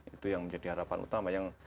itu yang menjadi harapan utama yang